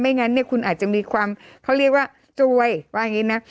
งั้นเนี่ยคุณอาจจะมีความเขาเรียกว่าจวยว่าอย่างนี้นะ